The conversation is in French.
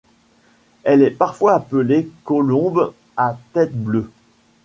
Elle est parfois appelée Colombe à tête bleue.